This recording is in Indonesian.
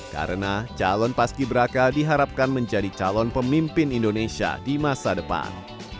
karena calon paski braka diharapkan menjadi calon pemimpin indonesia di masa depan